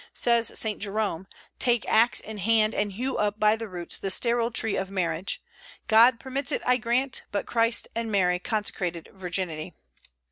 Says Saint Jerome, "Take axe in hand and hew up by the roots the sterile tree of marriage. God permits it, I grant; but Christ and Mary consecrated virginity."